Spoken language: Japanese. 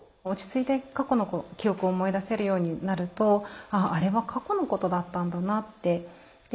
落ち着いて過去の記憶を思い出せるようになるとあああれは過去のことだったんだなって。